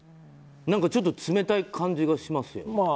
ちょっと冷たい感じがしますよね。